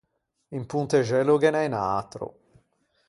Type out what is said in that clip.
In Pontexello ghe n’é un atro.